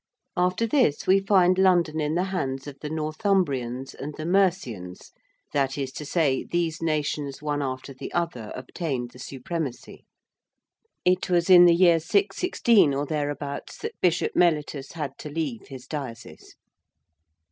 After this, we find London in the hands of the Northumbrians and the Mercians that is to say these nations one after the other obtained the supremacy. It was in the year 616 or thereabouts, that Bishop Mellitus had to leave his diocese.